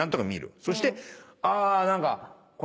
そしてあ何か」